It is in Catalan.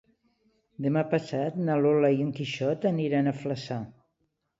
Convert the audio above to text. Demà passat na Lola i en Quixot aniran a Flaçà.